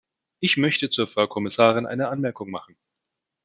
Ich möchte zur Frau Kommissarin eine Anmerkung machen.